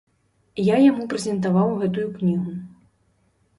Я яму прэзентаваў гэтую кнігу.